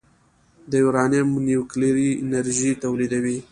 د یورانیم نیوکلیري انرژي تولیدوي.